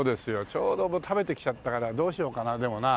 ちょうど食べてきちゃったからどうしようかなでもな。